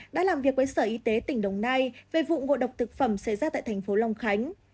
đã làm việc với sở y tế tỉnh đồng nai về vụ ngộ độc thực phẩm xảy ra tại thành phố long khánh